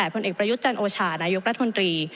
ผลเอกประยุทธ์จันโอชานายกรัฐมนตรี